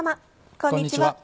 こんにちは。